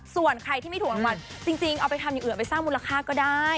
ส่วนใครที่ไม่ถูกกับมันจริงจริงเอาไปทำอยู่เอ่อไปสร้างมูลค่าก็ได้